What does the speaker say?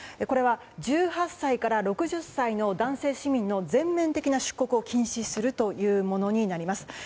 これは１８歳から６０歳の男性市民の全面的な出国を禁止するというものになります。